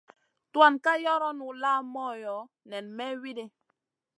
Tuan ka yoronu la moyo nen may widi.